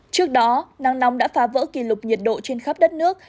trước đó nắng nóng đã phá vỡ kỷ lục nhiệt độ trên khắp đất nước